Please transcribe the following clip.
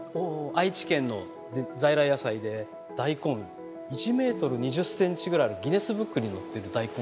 愛知県の在来野菜で大根１ｍ２０ｃｍぐらいある「ギネスブック」に載ってる大根。